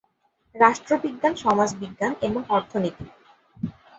রাষ্ট্রবিজ্ঞান, সমাজবিজ্ঞান এবং অর্থনীতি।